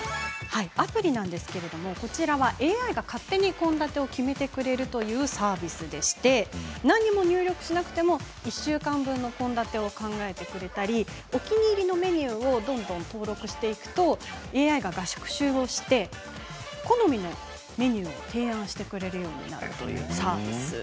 アプリなんですけれどもＡＩが勝手に献立を考えてくれるというサービスでして何も入力しなくても１週間分の献立を考えてくれたりお気に入りのメニューをどんどん登録していくとＡＩが学習して好みのメニューを提案してくれるようになるサービス。